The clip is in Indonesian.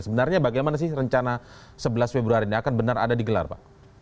sebenarnya bagaimana sih rencana sebelas februari ini akan benar ada digelar pak